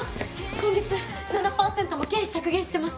今月７％も経費削減してます。